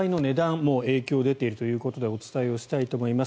もう影響が出ているということでお伝えしたいと思います。